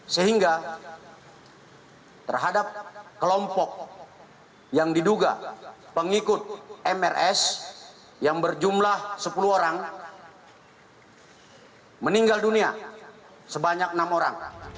sehingga terhadap kelompok yang diduga pengikut mrs yang berjumlah sepuluh orang meninggal dunia sebanyak enam orang